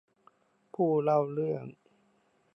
ผู้เล่าเรื่อง